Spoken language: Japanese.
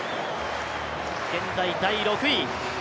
現在、第６位。